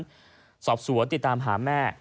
ที่สอบสวนติดตามสถานหาแม่